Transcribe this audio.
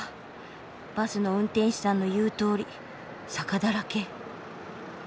バスの運転手さんの言うとおり坂だらけ。